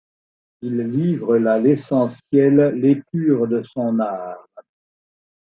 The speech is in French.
Il livre là l'essentiel, l'épure de son art.